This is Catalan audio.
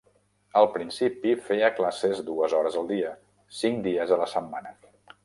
Al principi feia classes dues hores al dia, cinc dies a la setmana.